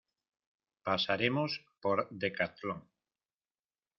Pasaremos por Decatlon.